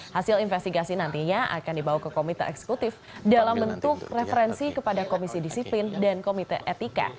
hasil investigasi nantinya akan dibawa ke komite eksekutif dalam bentuk referensi kepada komisi disiplin dan komite etika